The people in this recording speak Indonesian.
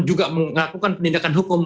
juga mengakukan pendidikan hukum